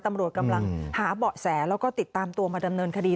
ตำรวจกำลังหาเบาะแสแล้วก็ติดตามตัวมาดำเนินคดี